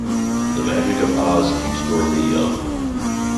The magic of Oz keeps Dorothy young.